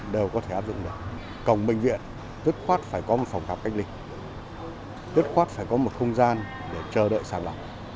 dù có thể có một bệnh viện tất khoát phải có một phòng khám cách ly tất khoát phải có một không gian để chờ đợi sản lập